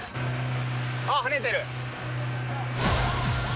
あー、跳ねてる。